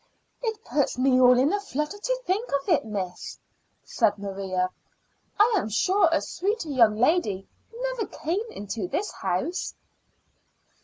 "It puts me all in a flutter to think of it, miss," said Maria. "I am sure a sweeter young lady never came into this house."